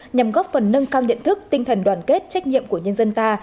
nhằm góp phần nâng cao nhận thức tinh thần đoàn kết trách nhiệm của nhân dân ta